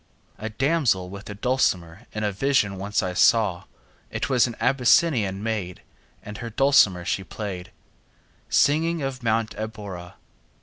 A damsel with a dulcimer In a vision once I saw: It was an Abyssinian maid, And on her dulcimer she play'd, 40 Singing of Mount Abora.